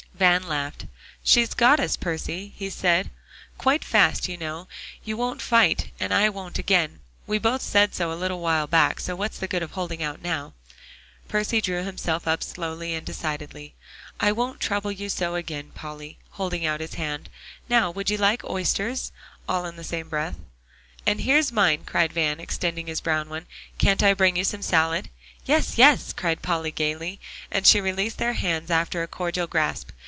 Van laughed. "She's got us, Percy," he said, "quite fast. You know you won't fight, and I won't again; we both said so a little while back; so what's the good of holding out now?" Percy drew himself up very slowly and decidedly. "I won't trouble you so again, Polly," holding out his hand. "Now would you like oysters?" all in the same breath. "And here's mine," cried Van, extending his brown one. "Can't I bring you some salad?" "Yes, yes," cried Polly gaily, and she released their hands after a cordial grasp.